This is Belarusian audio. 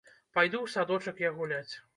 Пайду ў садочак я гуляць.